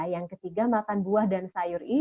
yang ketiga makan buah dan sayur